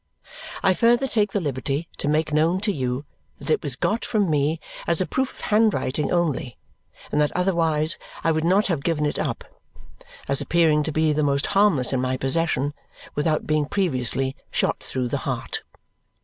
I further take the liberty to make known to you that it was got from me as a proof of handwriting only and that otherwise I would not have given it up, as appearing to be the most harmless in my possession, without being previously shot through the heart.